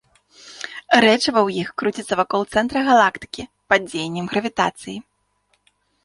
Рэчыва ў іх круціцца вакол цэнтра галактыкі пад дзеяннем гравітацыі.